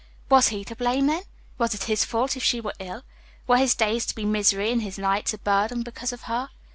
Was he to blame, then? Was it his fault if she were ill? Were his days to be misery, and his nights a burden, because of her?